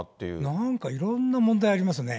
なんかいろんな問題ありますね。